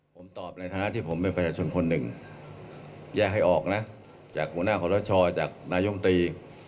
ผมตอบในฐานะที่ผมเป็นประชาชนคนหนึ่งแยกให้ออกนะจากหัวหน้าขอรชอจากนายมตรี